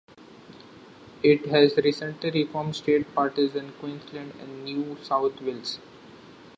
It has recently reformed state parties in Queensland and New South Wales.